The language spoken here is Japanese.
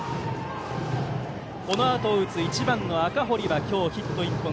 このあとを打つ１番、赤堀は今日、ヒット１本。